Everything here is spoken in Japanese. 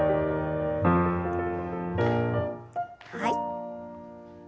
はい。